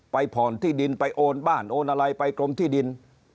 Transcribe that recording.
ผ่อนที่ดินไปโอนบ้านโอนอะไรไปกรมที่ดิน